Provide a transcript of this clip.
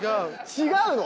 違うの？